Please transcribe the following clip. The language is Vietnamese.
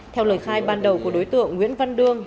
theo lời khai ban đầu của đối tượng nguyễn văn đương